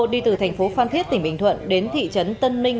đi từ thành phố phan thiết tỉnh bình thuận đến thị trấn tân minh